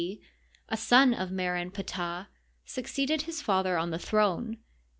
C), a son of Mer en Ptah, suc ceeded his father on the throne.